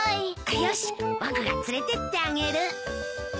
よし僕が連れてってあげる。